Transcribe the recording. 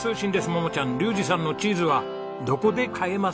桃ちゃん竜士さんのチーズはどこで買えますかね？